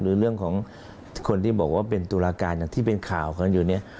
หรือเรื่องของคนที่บอกว่าเป็นตุลาการอย่างที่เป็นข่าวกันอยู่เนี่ย